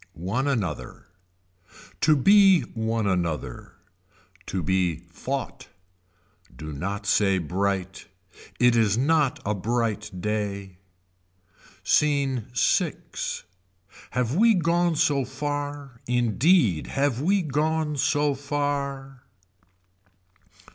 One another. To be one another. To be fought. Do not say bright. It is not a bright day. Scene VI. Have we gone so far indeed have we gone so far.